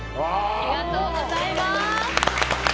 ありがとうございます！